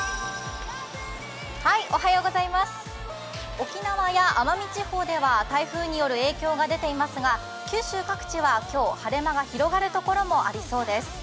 沖縄や奄美地方では台風による影響が出ていますが九州各地は今日は晴れ間が広がるところもありそうです。